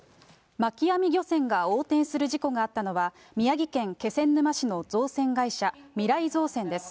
巻き網漁船が横転する事故があったのは、宮城県気仙沼市の造船会社、みらい造船です。